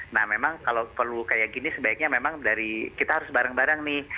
nah memang kalau perlu kayak gini sebaiknya memang dari kita harus bareng bareng nih